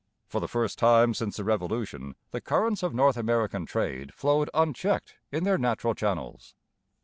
For the first time since the Revolution the currents of North American trade flowed unchecked in their natural channels.